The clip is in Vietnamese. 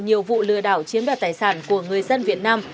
nhiều vụ lừa đảo chiếm đoạt tài sản của người dân việt nam